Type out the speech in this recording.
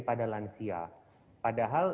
pada lansia padahal